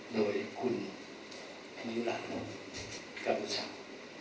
โดยคุณธรรมยุราชนมกับผู้ชาว